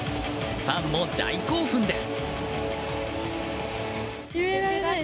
ファンも大興奮です。